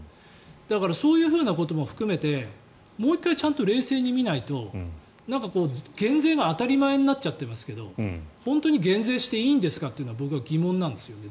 だから、そういうことも含めてもう１回ちゃんと冷静に見ないと減税が当たり前になっちゃってますけど本当に減税していいんですかというのは僕はずっと疑問なんです。